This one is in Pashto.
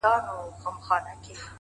صبر د وخت له ازموینې ځواک جوړوي؛